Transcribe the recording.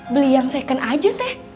beli yang second hand